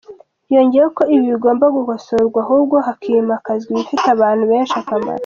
Yongeyeho ko ibi bigomba gukosorwa ahubwo hakimakazwa ibifiye abantu benshi akamaro.